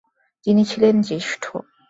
তিনি ছিলেন জ্যেষ্ঠ।